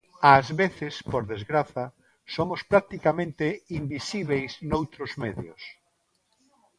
Ás veces, por desgraza, somos practicamente invisíbeis noutros medios.